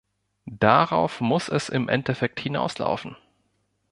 Darauf muss es im Endeffekt hinauslaufen.